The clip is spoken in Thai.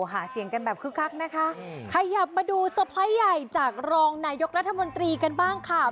หาเสียงกันแบบคึกคักนะคะขยับมาดูเตอร์ไพรส์ใหญ่จากรองนายกรัฐมนตรีกันบ้างค่ะ